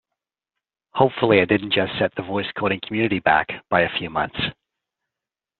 Hopefully I didn't just set the voice coding community back by a few months!